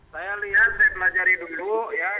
saya lihat saya pelajari dulu ya